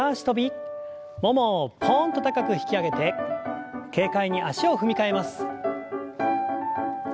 ももをポンと高く引き上げて軽快に足を踏み替えます。